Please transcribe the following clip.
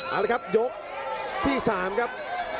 เอาละครับยกที่๓ครับ